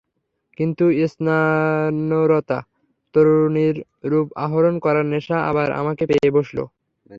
কিন্তু স্নানরতা তরুণীর রূপ আহরণ করার নেশা আবার আমাকে পেয়ে বসল।